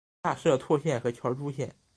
下设柘县和乔珠县。